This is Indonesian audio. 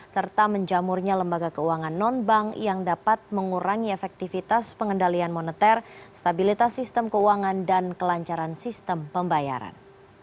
serta menjamurnya lembaga keuangan non bank yang dapat mengurangi efektivitas pengendalian moneter stabilitas sistem keuangan dan kelancaran sistem pembayaran